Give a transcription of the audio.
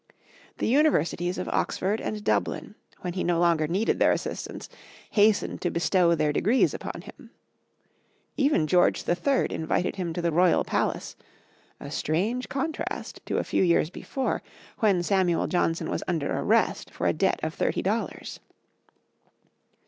The Universities of Oxford and Dublin, when he no longer needed their assistance, hastened to bestow their degrees upon him. Even George III. invited him to the royal palace, a strange contrast to a few years before, when Samuel Johnson was under arrest for a debt of thirty dollars!